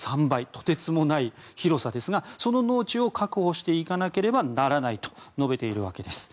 とてつもない広さですがその農地を確保していかなければならないと述べているわけです。